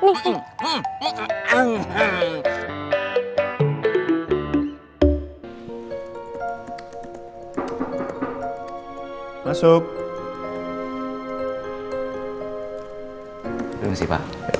terima kasih pak